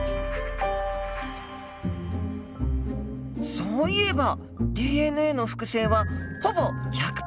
そういえばＤＮＡの複製はほぼ１００％